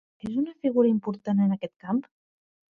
És una figura important en aquest camp?